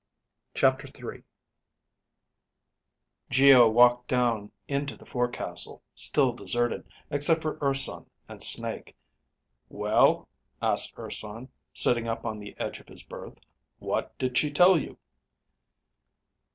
CHAPTER III Geo walked down into the forecastle, still deserted except for Urson and Snake. "Well?" asked Urson, sitting up on the edge of his berth. "What did she tell you?"